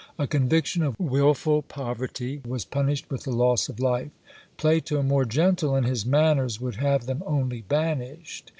a conviction of wilful poverty was punished with the loss of life. Plato, more gentle in his manners, would have them only banished.